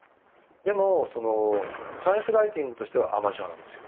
でもサイエンスライティングとしてはアマチュアなんですよ。